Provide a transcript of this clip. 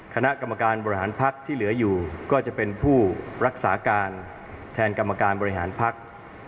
คณะกรรมการบริหารพักที่เหลืออยู่ก็จะเป็นผู้รักษาการแทนกรรมการบริหารพัก